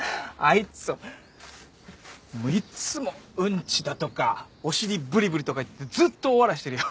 いつもういつもうんちだとかお尻ぶりぶりとか言ってずっと大笑いしてるよ。